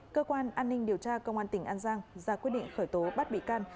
cơ quan an ninh điều tra công an tỉnh an giang ra quyết định khởi tố bắt bị can